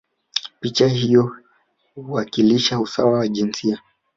picha hiyo huwakilisha usawa wa jinsia